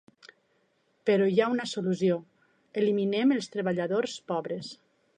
Però hi ha una solució: eliminem els treballadors pobres.